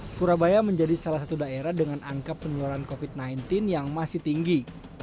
surabaya menjadi salah satu daerah dengan angka penularan covid sembilan belas yang masih tinggi